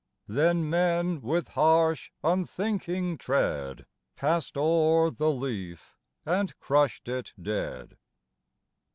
Then men with harsh unthinking tread Passed o'er the leaf and crushed it dead.